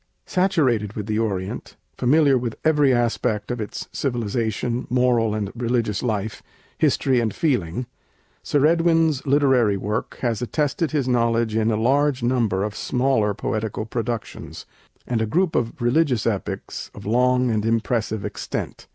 Saturated with the Orient, familiar with every aspect of its civilization, moral and religious life, history and feeling, Sir Edwin's literary work has attested his knowledge in a large number of smaller poetical productions, and a group of religious epics of long and impressive extent.